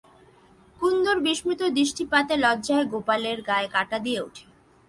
কুন্দর বিস্মিত দৃষ্টিপাতে লজ্জায় গোপালের গায়ে কাঁটা দিয়ে ওঠে।